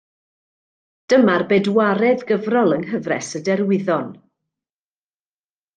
Dyma'r bedwaredd gyfrol yng nghyfres Y Derwyddon.